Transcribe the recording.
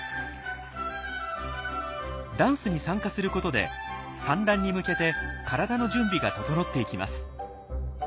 ダンスに参加することで産卵に向けて体の準備が整っていきます。